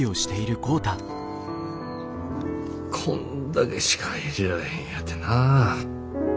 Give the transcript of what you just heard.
こんだけしか入れられへんやてな。